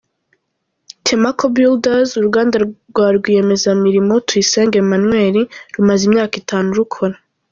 Temaco Builders, uruganda rwa rwiyemezamirimo Tuyisenge Emmanuel, rumaze imyaka itanu rukora.